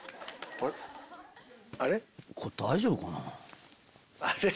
これ大丈夫かなぁ。